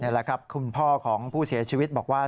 แหละครับคุณพ่อของผู้เสียชีวิตบอกว่า